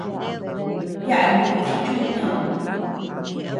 Yaʼa luchi chu ñeʼed.